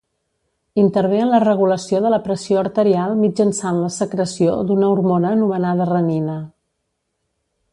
Intervé en la regulació de la pressió arterial mitjançant la secreció d'una hormona anomenada renina.